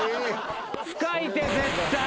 深いて絶対。